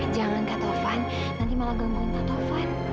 jangan kak taufan nanti malah gangguan kak taufan